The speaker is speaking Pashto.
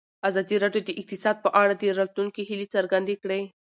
ازادي راډیو د اقتصاد په اړه د راتلونکي هیلې څرګندې کړې.